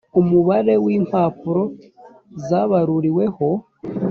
umubare w impapuro zabaruriweho